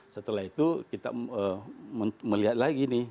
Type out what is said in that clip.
setelah itu kita melihat lagi nih